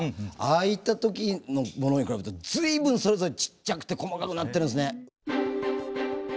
ああいった時のものに比べると随分それぞれちっちゃくて細かくなってるんですね。